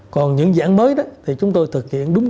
còn những dự án mới đó thì chúng tôi thực hiện đúng